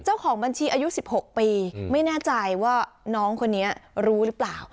เจ้าของบัญชีอายุ๑๖ปีไม่แน่ใจว่าน้องคนนี้รู้หรือเปล่า